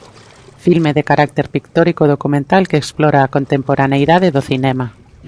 Filme de carácter pictórico e documental que explora a contemporaneidade do cinema.